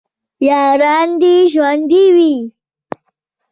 یاران دې ژوندي وي